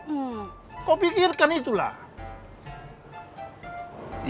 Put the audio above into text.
sudah pantas untuk nikah kau pikirkan itulah iya ya bang